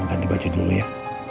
kamu ganti baju dulu ya